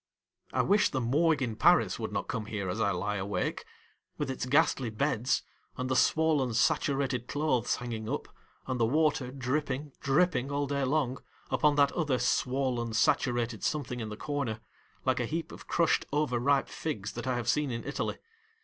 I wish the Morgue in Paris would not come here as I lie awake, with its ghastly beds, and the swollen saturated clothes hanging up, and the water dripping, dripping all day long, upon that other swollen saturated something in the corner,, like a heap of crushed over ripe figs that I have seen in Italy!